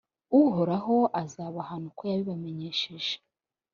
uhoraho azabahana uko yabibamenyesheje